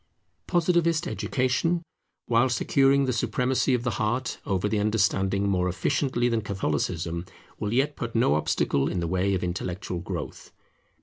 Positivist education, while securing the supremacy of the heart over the understanding more efficiently than Catholicism, will yet put no obstacle in the way of intellectual growth.